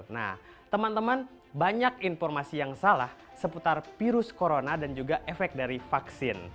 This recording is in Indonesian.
nah teman teman banyak informasi yang salah seputar virus corona dan juga efek dari vaksin